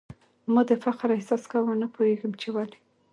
ما د فخر احساس کاوه ، نه پوهېږم چي ولي ؟